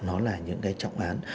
nó là những cái trọng án